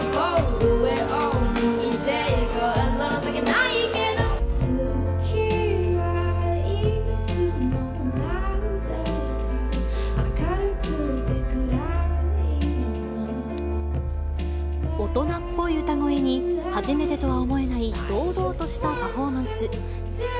大人っぽい歌声に初めてとは思えない堂々としたパフォーマンス。